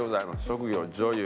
職業女優。